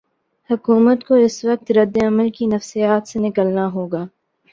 حکومت کو اس وقت رد عمل کی نفسیات سے نکلنا ہو گا۔